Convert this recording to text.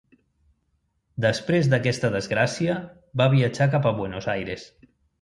Després d'aquesta desgràcia va viatjar cap a Buenos Aires.